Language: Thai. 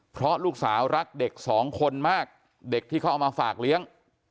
เพราะลูกสาวรักเด็กสองคนมากเด็กที่เขาเอามาฝากเลี้ยง